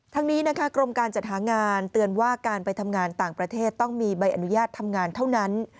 ทั้งนี้นะคะกรมการจัดหางานเตือนว่าการไปทำงานต่างประเทศต้องมีใบอนุญาตทำงานเท่านั้น